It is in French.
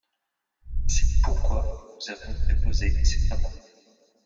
C’est pourquoi nous avons déposé cet amendement.